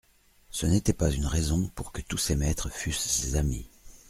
Ce n'était pas une raison pour que tous ses maîtres fussent ses amis.